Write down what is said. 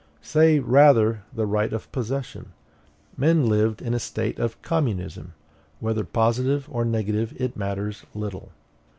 Say, rather, the right of possession. Men lived in a state of communism; whether positive or negative it matters little.